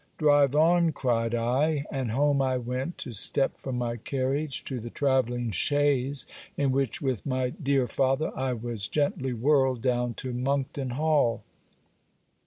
Drive on, cried I; and home I went, to step from my carriage to the travelling chaise, in which with my dear father I was gently whirled down to Monkton Hall.